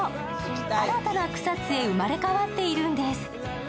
新たな草津へ生まれ変わっているんです。